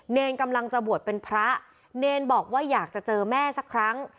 เนรกำลังจะบวชเป็นพระเนรบอกว่าอยากจะเจอแม่สักครั้ง